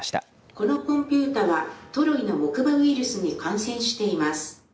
このコンピューターはトロイの木馬ウイルスに感染しています。